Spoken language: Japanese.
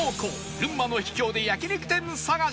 群馬の秘境で焼肉店探し